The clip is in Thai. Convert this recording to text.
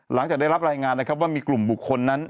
หลังจากได้รับรายงานนะครับว่ามีกลุ่มบุคคลนั้น